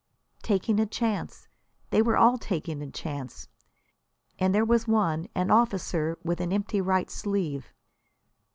Taking a chance! They were all taking a chance. And there was one, an officer, with an empty right sleeve.